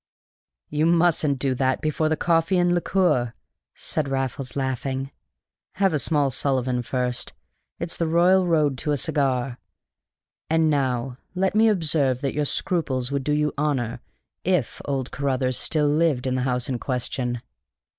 "You mustn't do that before the coffee and liqueur," said Raffles laughing. "Have a small Sullivan first: it's the royal road to a cigar. And now let me observe that your scruples would do you honor if old Carruthers still lived in the house in question."